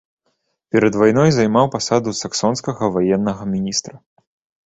Перад вайной займаў пасаду саксонскага ваеннага міністра.